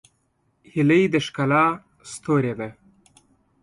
هیلۍ د ښکلا ستوری ده